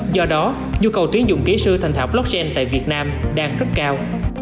do đó nhu cầu tuyến dụng ký sư thành thảo blockchain tại việt nam đang rất cao